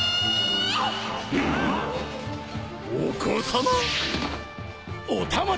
お子さま？